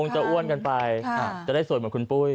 ใช่น่าสำคัญค่ะจะได้สวยเหมือนคุณปุ้ย